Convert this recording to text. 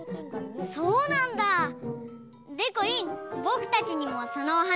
そうなんだ！でこりんぼくたちにもそのおはなしきかせて！